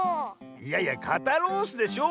いやいや「かたロース」でしょ